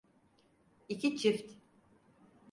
İki çift.